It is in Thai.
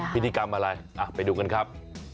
พิธีกรรมอะไรไปดูกันครับ